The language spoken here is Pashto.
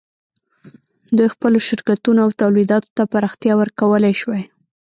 دوی خپلو شرکتونو او تولیداتو ته پراختیا ورکولای شوای.